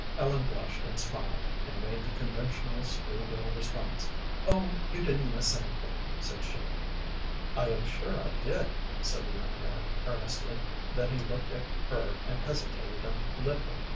Ellen blushed and smiled, and made the conventional school girl response. "Oh, you didn't miss anything," said she. "I am sure I did," said the young man, earnestly. Then he looked at her and hesitated a little.